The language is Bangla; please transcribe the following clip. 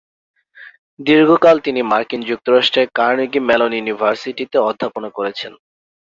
দীর্ঘকাল তিনি মার্কিন যুক্তরাষ্ট্রের কার্নেগী মেলন ইউনিভার্সিটিতে অধ্যাপনা করেছেন।